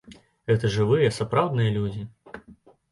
Гэта жывыя, сапраўдныя людзі.